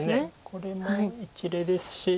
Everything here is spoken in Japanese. これも一例ですし。